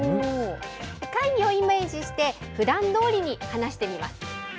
会議をイメージしてふだんどおりに話してみます。